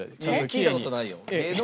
聞いた事ないよ。